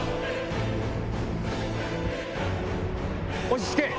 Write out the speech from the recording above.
落ち着け！